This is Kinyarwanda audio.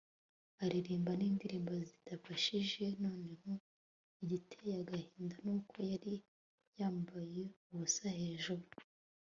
aririmba nindirimo zidafashije noneho igiteye agahinda nuko yari yambaye ubusa hejuru